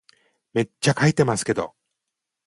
めっちゃ書いてますけど